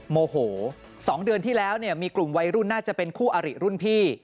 โมโห๒เดือนที่แล้วเนี่ยมีกลุ่มวัยรุ่นน่าจะเป็นคู่อริรุ่นพี่